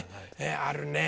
あるねぇ。